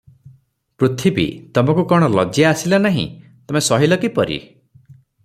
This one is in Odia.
ପୃଥିବୀ ତମକୁ କଣ ଲଜ୍ଜା ଆସିଲା ନାହିଁ, ତମେ ସହିଲ କିପରି?